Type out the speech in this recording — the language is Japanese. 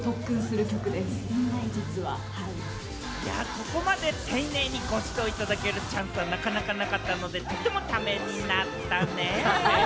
ここまで丁寧にご指導いただけるチャンスなかなかなかったので、とってもためになったね。